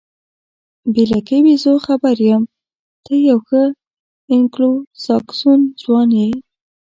بې لکۍ بیزو، خبر یم، ته یو ښه انګلوساکسون ځوان یې.